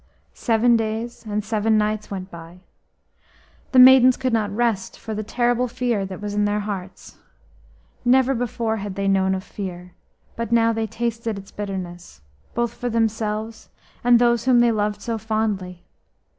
EVEN days and seven nights went by. The maidens could not rest for the terrible fear that was in their hearts. Never before had they known of fear, but now they tasted its bitterness, both for themselves and those whom they loved so fondly.